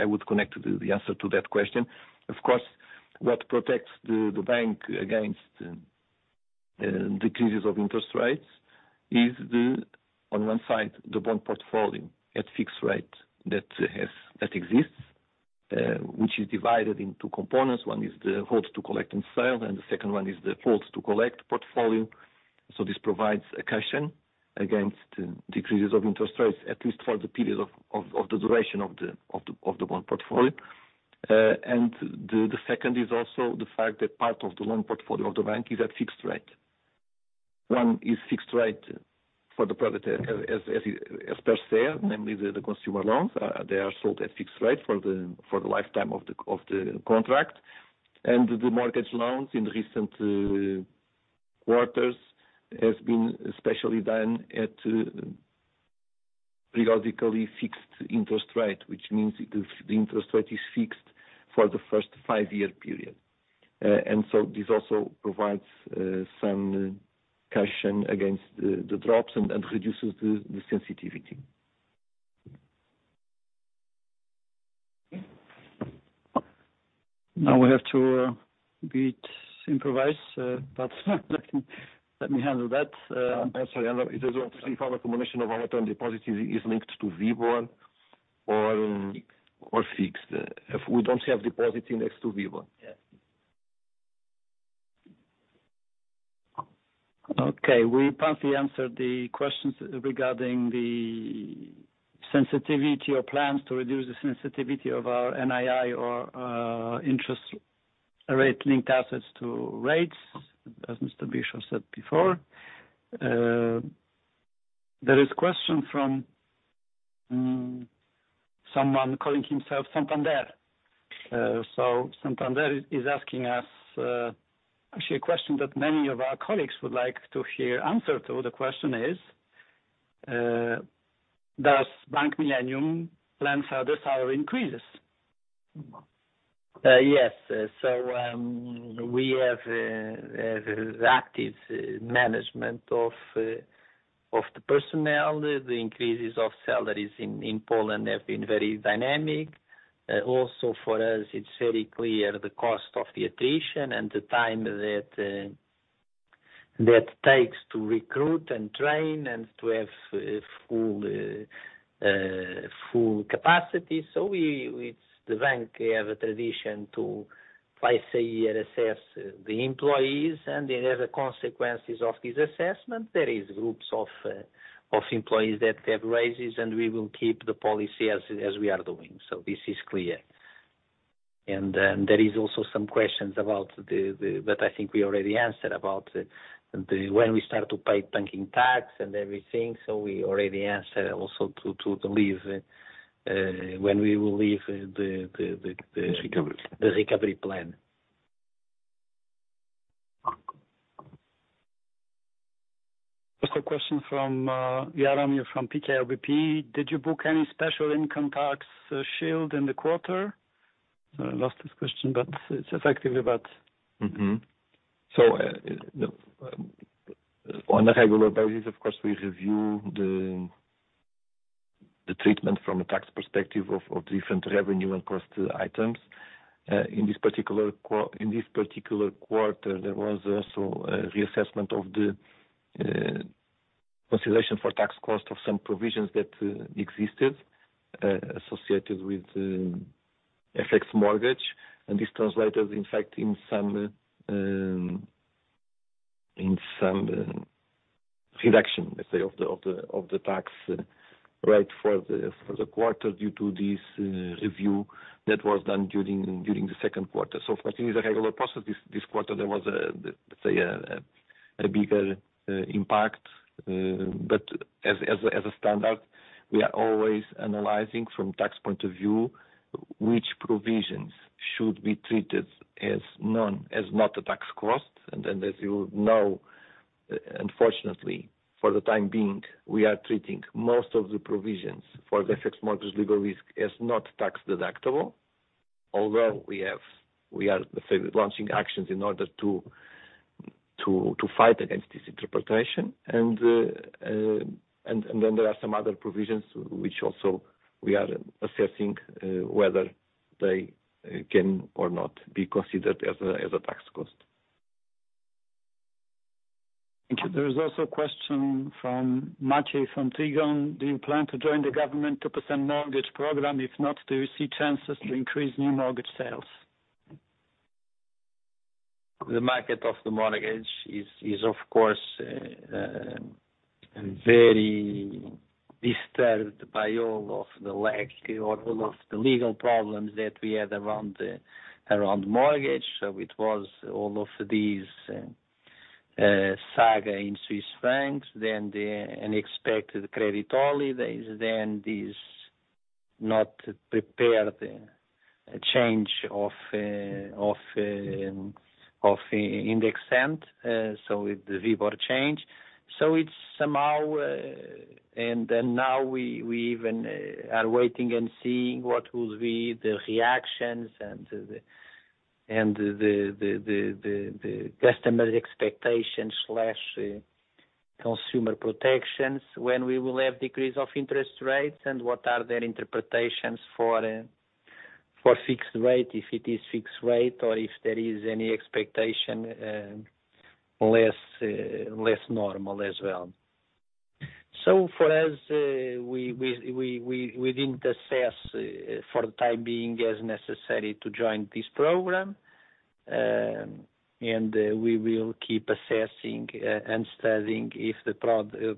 I would connect the answer to that question. Of course, what protects the bank against decreases of interest rates is, on one side, the bond portfolio at fixed rate that exists, which is divided into components. One is the hold to collect and sell, and the second one is the hold to collect portfolio. This provides a caution against decreases of interest rates, at least for the period of the duration of the bond portfolio. The second is also the fact that part of the loan portfolio of the bank is at fixed rate. One is fixed rate for the private, as per se, namely the consumer loans. They are sold at fixed rate for the lifetime of the contract. The mortgage loans in recent quarters has been especially done at periodically fixed interest rate, which means the interest rate is fixed for the first five-year period. This also provides some caution against the drops and reduces the sensitivity. Now we have to bit improvise, but let me handle that. I'm sorry. I don't if our combination of deposit is linked to WIBOR or fixed. We don't have deposits next to WIBOR. Yes. Okay, we partly answered the questions regarding the sensitivity or plans to reduce the sensitivity of our NII or, interest rate linked assets to rates, as Bicho said before. There is a question from, someone calling himself Santander. Santander is asking us, actually a question that many of our colleagues would like to hear answer to. Does Bank Millennium plan further salary increases? Yes. We have active management of the personnel. The increases of salaries in Poland have been very dynamic. Also, for us, it's very clear the cost of the attrition and the time that takes to recruit and train and to have full capacity. With the bank, we have a tradition to, twice a year, assess the employees, and they have the consequences of this assessment. There is groups of employees that have raises, and we will keep the policy as we are doing. This is clear. There is also some questions about, but I think we already answered about the, when we start to pay banking tax and everything. We already answered also to leave, when we will leave the. Recovery. The Recovery Plan. Just a question fromJaromir from PKO BP: Did you book any special income tax shield in the quarter? I lost this question, but it's effectively about- On a regular basis, of course, we review the treatment from a tax perspective of different revenue and cost items. In this particular quarter, there was also a reassessment of the consideration for tax cost of some provisions that existed associated with FX mortgage. This translated, in fact, in some reduction, let's say, of the tax rate for the quarter, due to this review that was done during the Q2. Of course, it is a regular process. This quarter, there was a, let's say, a bigger impact. But as a standard, we are always analyzing from tax point of view, which provisions should be treated as not a tax cost. As you know, unfortunately, for the time being, we are treating most of the provisions for the FX mortgage legal risk as not tax deductible. Although we are, let's say, launching actions in order to fight against this interpretation. There are some other provisions which also we are assessing whether they can or not be considered as a tax cost. Thank you. There is also a question from Maciej Marcinowski, from Trigon DM: Do you plan to join the government 2% mortgage program? If not, do you see chances to increase new mortgage sales? The market of the mortgage is, of course, very disturbed by all of the legal problems that we had around mortgage. It was all of these saga in Swiss francs, then the unexpected credit holidays, then these not prepared change of uncertain, so with the WIBOR change. It's somehow. Now we even are waiting and seeing what will be the reactions and the, and the customer expectations, slash, consumer protections, when we will have decrease of interest rates, and what are their interpretations for fixed rate, if it is fixed rate, or if there is any expectation less normal as well. For us, we didn't assess for the time being, as necessary to join this program. We will keep assessing and studying if the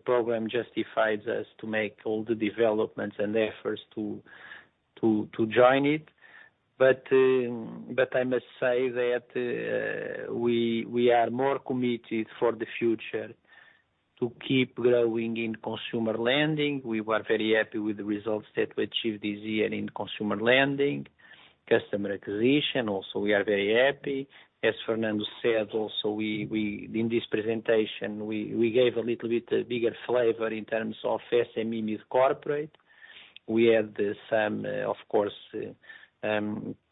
program justifies us to make all the developments and efforts to join it. I must say that we are more committed for the future to keep growing in consumer lending. We were very happy with the results that we achieved this year in consumer lending, customer acquisition also, we are very happy. As Fernando said also we, in this presentation, we gave a little bit bigger flavor in terms of SME with corporate. We had some, of course,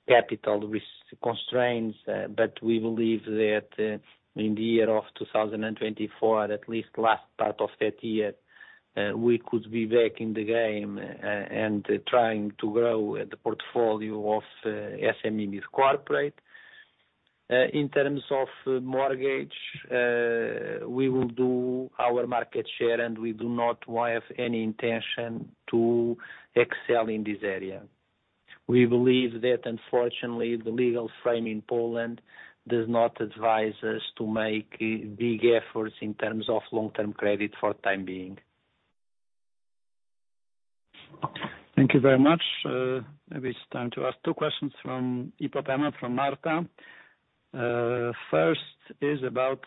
capital risk constraints, but we believe that in the year of 2024, at least last part of that year, we could be back in the game, and trying to grow the portfolio of SME with corporate. In terms of mortgage, we will do our market share, and we do not have any intention to excel in this area. We believe that, unfortunately, the legal frame in Poland does not advise us to make big efforts in terms of long-term credit for the time being. Thank you very much. Maybe it's time to ask 2 questions from IPOPEMA, from Marta. First is about,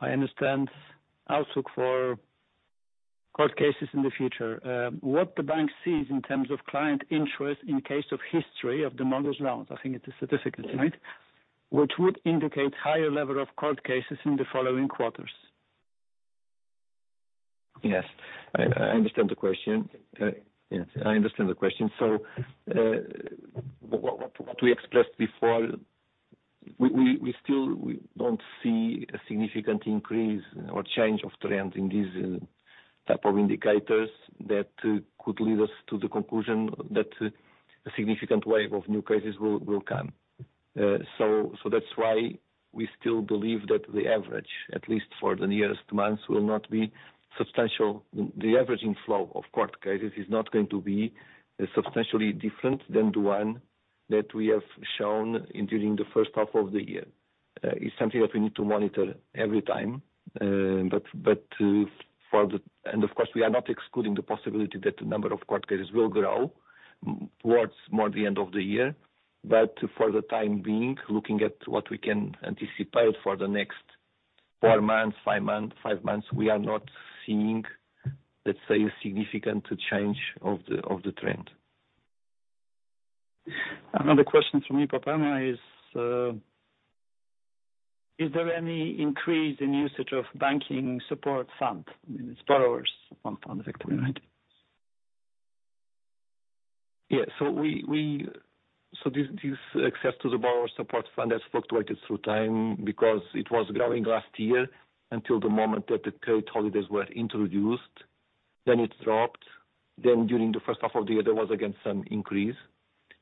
I understand, outlook for court cases in the future. What the bank sees in terms of client interest in case of history of the mortgage loans? I think it is significant, right? Which would indicate higher level of court cases in the following quarters? Yes, I understand the question. Yes, I understand the question. What we expressed before, we still don't see a significant increase or change of trend in these type of indicators that could lead us to the conclusion that a significant wave of new cases will come. That's why we still believe that the average, at least for the nearest months, will not be substantial. The averaging flow of court cases is not going to be substantially different than the one that we have shown in during the first half of the year. It's something that we need to monitor every time, but of course, we are not excluding the possibility that the number of court cases will grow towards more the end of the year. For the time being, looking at what we can anticipate for the next four months, five months, we are not seeing, let's say, a significant change of the trend. Another question from me, IPOPEMA, is there any increase in usage of Borrowers' Support Fund? It's borrowers, from the vector, right? This access to the Borrowers' Support Fund has fluctuated through time because it was growing last year until the moment that the credit holidays were introduced. It dropped. During the first half of the year, there was again, some increase.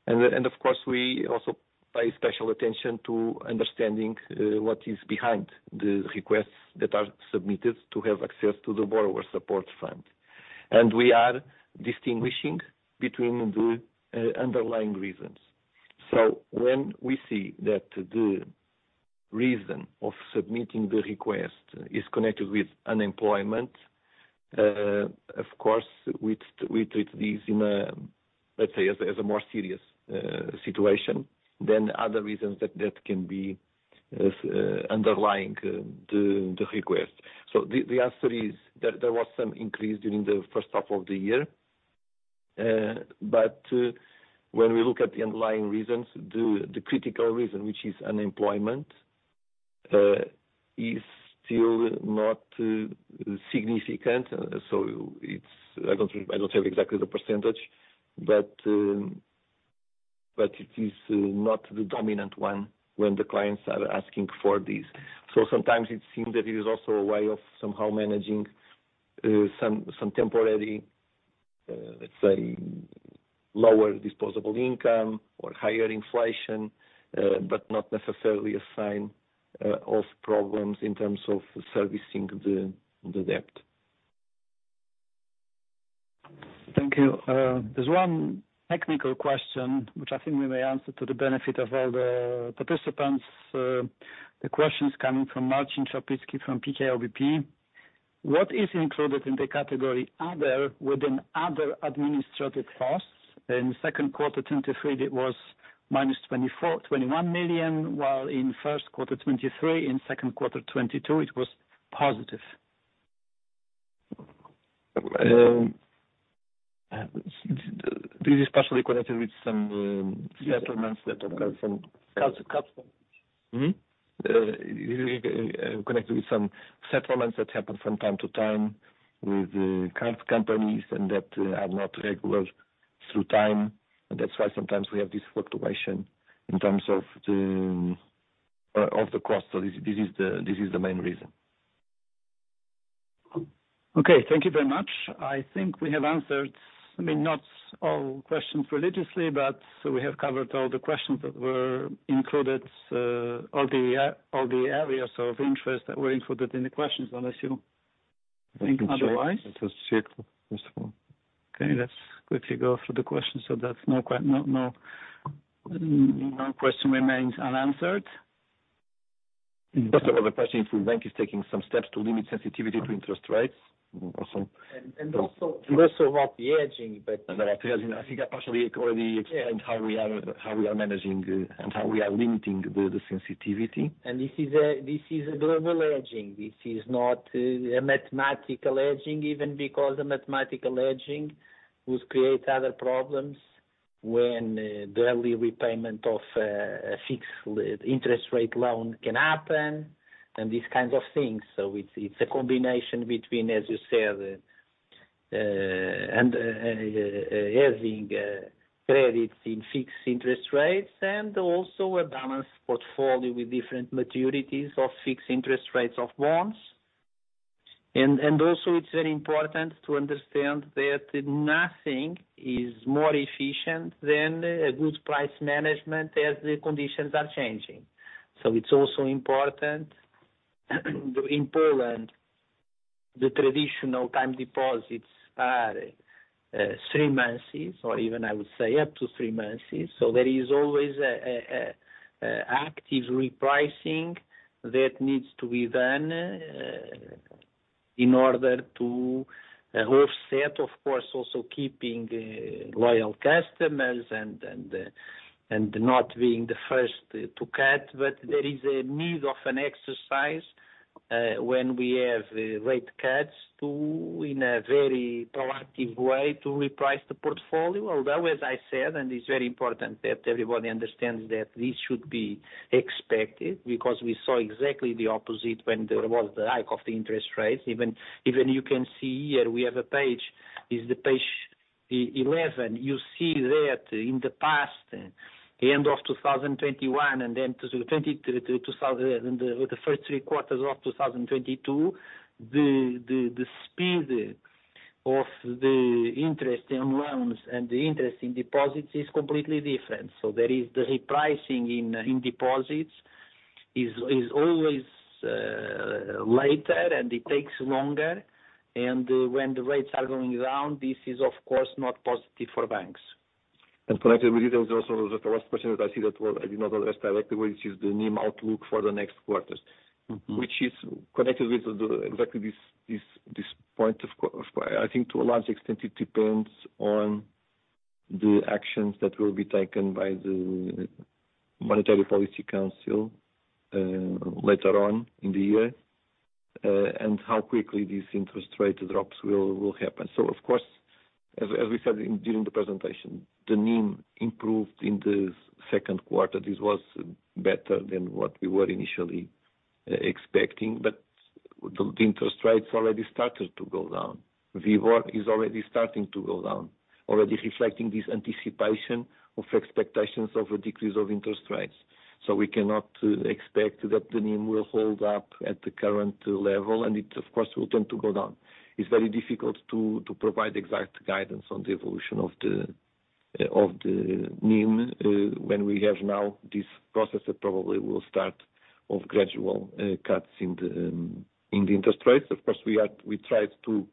Of course, we also pay special attention to understanding what is behind the requests that are submitted to have access to the Borrowers' Support Fund. We are distinguishing between the underlying reasons. When we see that the reason of submitting the request is connected with unemployment, of course, we treat this in a, let's say, as a more serious situation than other reasons that can be underlying the request. The answer is there was some increase during the first half of the year. But when we look at the underlying reasons, the critical reason, which is unemployment, is still not significant. I don't, I don't have exactly the percentage, but it is not the dominant one when the clients are asking for this. Sometimes it seems that it is also a way of somehow managing some temporary, let's say, lower disposable income or higher inflation, but not necessarily a sign of problems in terms of servicing the debt. Thank you. There's one technical question which I think we may answer to the benefit of all the participants. The question is coming from Marcin Trzpiński from PKO BP. What is included in the category other, within other administrative costs? In Q2 2023, it was -24.21 million, while in first quarter 2023, in Q2 2022, it was positive. This is partially connected with some settlements that happen from time to time with current companies and that are not regular through time. That's why sometimes we have this fluctuation in terms of the cost. This is the main reason. Thank you very much. I think we have answered, I mean, not all questions religiously, but we have covered all the questions that were included, all the areas of interest that were included in the questions, unless you think otherwise. Let us check this one. Okay, let's quickly go through the questions. That's no question remains unanswered. Just about the question, if the bank is taking some steps to limit sensitivity to interest rates? Also about the hedging. I think I partially already explained how we are managing and how we are limiting the sensitivity. This is a global hedging. This is not a mathematical hedging, even because a mathematical hedging would create other problems when the early repayment of a fixed interest rate loan can happen and these kinds of things. It's a combination between, as you said, and having credits in fixed interest rates and also a balanced portfolio with different maturities of fixed interest rates of bonds. Also it's very important to understand that nothing is more efficient than a good price management as the conditions are changing. It's also important, in Poland, the traditional time deposits are three months, or even I would say, up to three months. There is always active repricing that needs to be done in order to offset, of course, also keeping loyal customers and and not being the first to cut. There is a need of an exercise when we have rate cuts to, in a very proactive way, to reprice the portfolio. As I said, and it's very important that everybody understands that this should be expected because we saw exactly the opposite when there was the hike of the interest rates. Even you can see here, we have a page, is the page 11. You see that in the past, end of 2021, and then 2022, and the first three quarters of 2022, the speed of the interest on loans and the interest in deposits is completely different. There is the repricing in deposits, is always later and it takes longer, and when the rates are going down, this is, of course, not positive for banks. Connected with this, there was also the last question I did not address directly, which is the NIM outlook for the next quarters. Which is connected with the exactly this point, of course. I think to a large extent, it depends on the actions that will be taken by the Monetary Policy Council later on in the year, and how quickly these interest rate drops will happen. Of course, as we said during the presentation, the NIM improved in the Q2. This was better than what we were initially expecting, but the interest rates already started to go down. WIBOR is already starting to go down, already reflecting this anticipation of expectations of a decrease of interest rates. We cannot expect that the NIM will hold up at the current level, and it of course will tend to go down. It's very difficult to provide exact guidance on the evolution of the of the NIM when we have now this process that probably will start of gradual cuts in the in the interest rates. Of course, we try to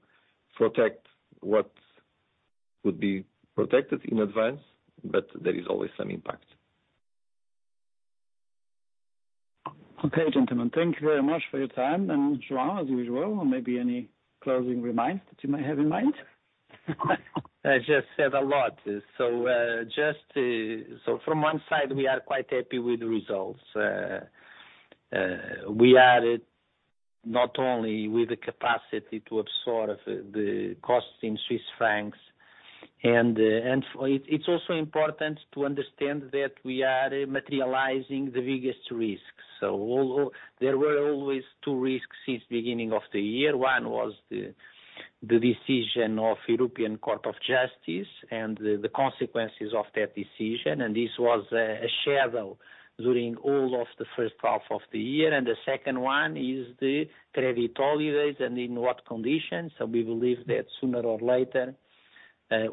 protect what would be protected in advance, but there is always some impact. Okay, gentlemen, thank you very much for your time. João, as usual, maybe any closing remarks that you may have in mind? I just said a lot. Just from one side, we are quite happy with the results. We are not only with the capacity to absorb the costs in Swiss francs and it's also important to understand that we are materializing the biggest risks. Although there were always two risks since beginning of the year, one was the decision of European Court of Justice and the consequences of that decision, and this was a shadow during all of the first half of the year. The second one is the credit holidays and in what conditions. We believe that sooner or later,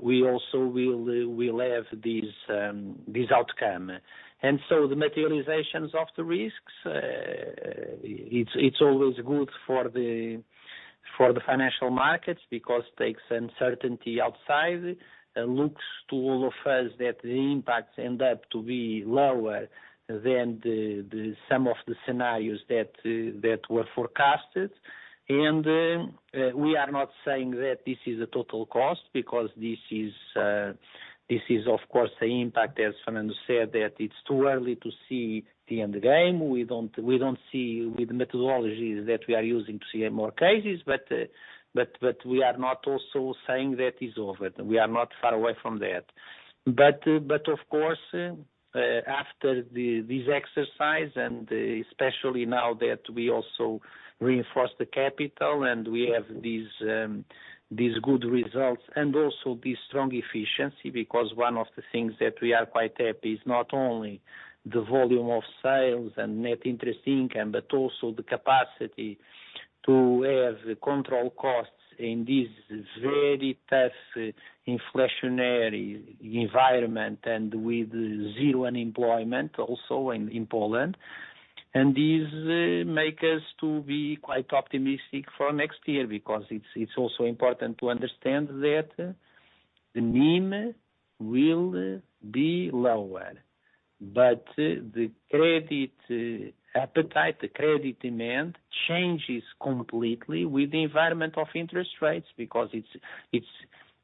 we also will have this outcome. The materializations of the risks, it's always good for the financial markets because takes uncertainty outside, looks to all of us that the impacts end up to be lower than the some of the scenarios that were forecasted. We are not saying that this is a total cost, because this is, of course, the impact, as Fernando said, that it's too early to see the end game. We don't see with the methodologies that we are using to see more cases, but we are not also saying that is over. We are not far away from that. Of course, after this exercise, and especially now that we also reinforce the capital and we have these good results and also this strong efficiency, because one of the things that we are quite happy is not only the volume of sales and net interest income, but also the capacity to have control costs in this very tough inflationary environment and with zero unemployment also in Poland. This makes us quite optimistic for next year, because it's also important to understand that the NIM will be lower, but the credit appetite, the credit demand changes completely with the environment of interest rates, because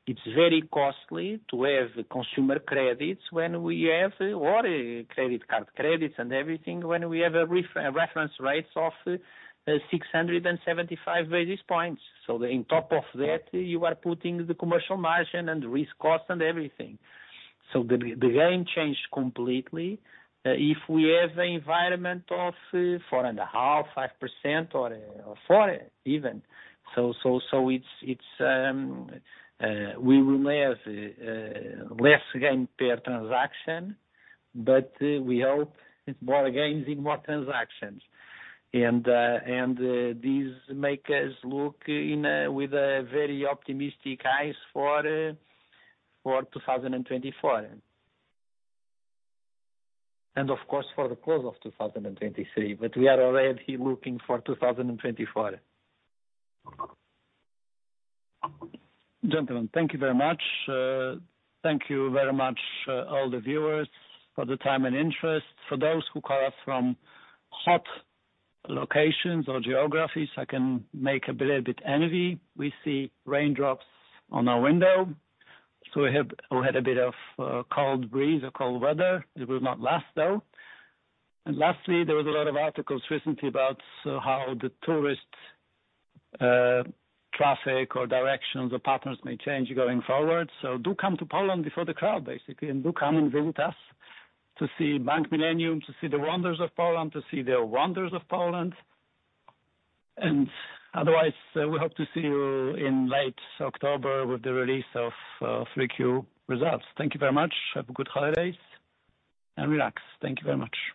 it's very costly to have consumer credits when we have or credit card credits and everything, when we have a reference rates of 675 basis points. you are putting the commercial margin and risk costs and everything. The game changed completely. If we have an environment of 4.5%, 5% or 4% even, it's, we will have less gain per transaction, but we hope it's more gains in more transactions. This make us look with a very optimistic eyes for 2024. And of course, for the close of 2023, but we are already looking for 2024. Gentlemen, thank you very much. Thank you very much, all the viewers, for the time and interest. For those who call us from hot locations or geographies, I can make a little bit envy. We see raindrops on our window, so we had a bit of cold breeze or cold weather. It will not last, though. Lastly, there was a lot of articles recently about how the tourist traffic or directions or patterns may change going forward. Do come to Poland before the crowd, basically, and do come and visit us to see Bank Millennium, to see the wonders of Poland. Otherwise, we hope to see you in late October with the release of 3Q results. Thank you very much. Have a good holidays, and relax. Thank you very much.